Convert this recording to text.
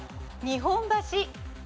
日本橋。